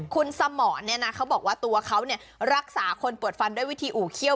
คุณสมรเขาบอกว่าตัวเขารักษาคนปวดฟันด้วยวิธีอู่เขี้ย